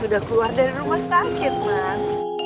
sudah keluar dari rumah sakit mas